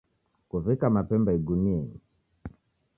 Kuwika mapemba igunienyi.